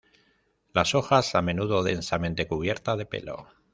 Las hojas, a menudo, densamente cubierta de pelo.